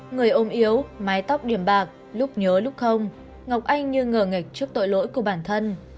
người ôm yếu mái tóc điểm bạc lúc nhớ lúc không ngọc anh như ngờ nghịch trước tội lỗi của bản thân